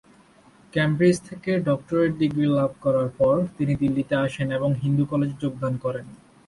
Cambridge থেকে doctorate degree লাভ করার পর, তিনি দিল্লীতে আসেন এবং হিন্দু কলেজে যোগদান করেন।